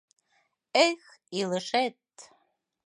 Эх, илышет!..